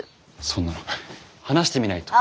そんなの話してみないと。